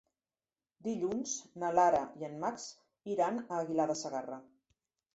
Dilluns na Lara i en Max iran a Aguilar de Segarra.